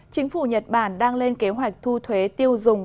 chính phủ nhật bản đang lên kế hoạch thu thuế tiêu dùng